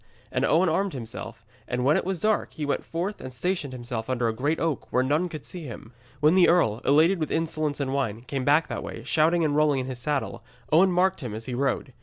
And Owen armed himself, and when it was dark he went forth and stationed himself under a great oak, where none could see him. When the earl, elated with insolence and wine, came back that way, shouting and rolling in his saddle, Owen marked him as he rode.